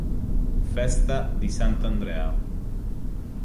Festa di sant'Andrea